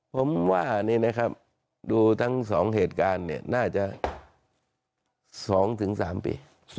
ผมว่านี่นะครับดูทั้ง๒เหตุการณ์น่าจะ๒๓ปี